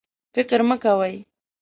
فکر مه کوئ